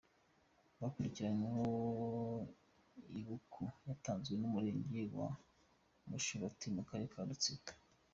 Bakurikiranyweho ibuku yatanzwe n’umurenge wa Mushubati akarere ka Rutsiro.